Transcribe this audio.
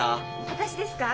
私ですか？